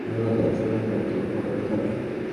আলোর গতি অসীম হলে তো তা হবার কথা নয়।